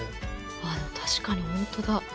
ああでも確かに本当だ。